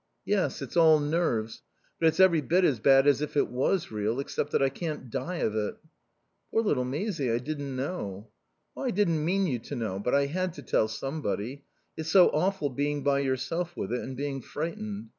"Yes. It's all nerves. But it's every bit as bad as if it was real, except that I can't die of it." "Poor little Maisie I didn't know." "I didn't mean you to know. But I had to tell somebody. It's so awful being by yourself with it and being frightened.